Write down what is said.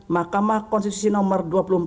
mahkamah konstitusi nomor dua puluh empat